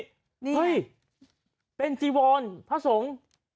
เฮ้ยเป็นจีวรพระสงฆ์